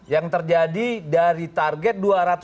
yang terjadi dari target dua ratus tiga puluh dua dua ratus empat belas